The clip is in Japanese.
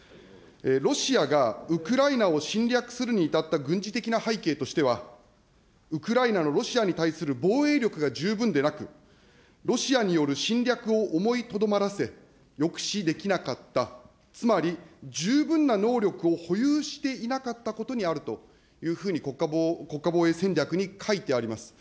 ロシアがウクライナを侵略するに至った軍事的な背景としては、ウクライナのロシアに対する防衛力が十分でなく、ロシアによる侵略を思いとどまらせ、抑止できなかった、つまり、十分な能力を保有していなかったことにあるというふうに国家防衛戦略に書いてあります。